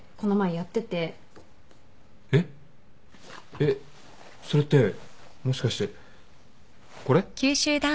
えっそれってもしかしてこれ？